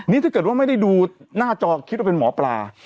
นี่ถ้าเกิดว่าไม่ได้ดูหน้าจอคิดว่าเป็นหมอปลา